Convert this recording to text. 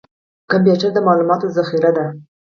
کمپیوټر د معلوماتو ذخیره ده